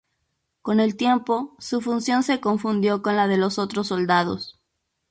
Con el tiempo, su función se confundió con la de los otros soldados.